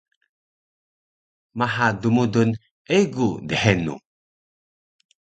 maha dmudul egu dhenu